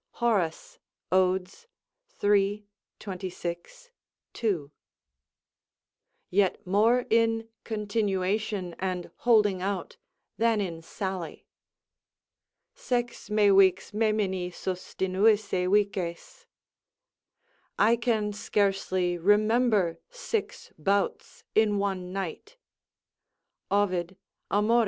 Horace, Od., iii. 26, 2.] yet more in continuation and holding out, than in sally: "Sex me vix memini sustinuisse vices." ["I can scarcely remember six bouts in one night" Ovid, Amor.